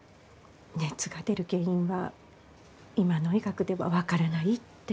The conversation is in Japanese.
熱が出る原因は今の医学では分からないって。